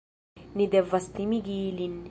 Ni devas timigi ilin